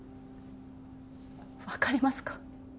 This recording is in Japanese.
わかりますか？